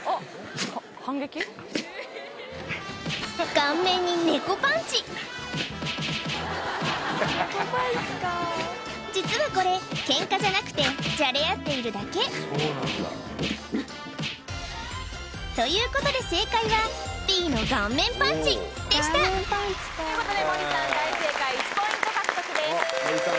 顔面にネコパンチ実はこれケンカじゃなくてじゃれあっているだけということで正解はＢの顔面パンチでしたということで森さん大正解１ポイント獲得です森さん